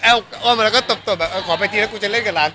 เอ้าอ้อมันก็ตบขอไปทีแล้วกูจะเล่นกับหลานต่อ